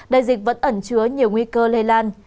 đại dịch vẫn ẩn chứa nhiều nguy cơ lây lan